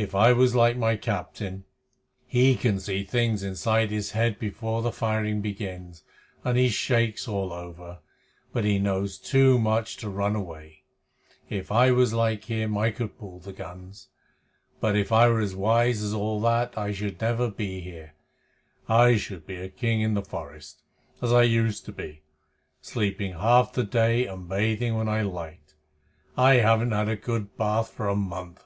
If I was like my captain he can see things inside his head before the firing begins, and he shakes all over, but he knows too much to run away if I was like him I could pull the guns. But if I were as wise as all that I should never be here. I should be a king in the forest, as I used to be, sleeping half the day and bathing when I liked. I haven't had a good bath for a month."